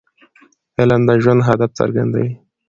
علم د ژوند هدف څرګندوي.